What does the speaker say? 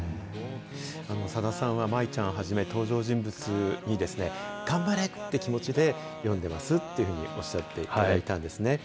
さださんは舞ちゃんはじめ、登場人物に、頑張れって気持ちで読んでますっていうふうにおっしゃっていただいたんですね。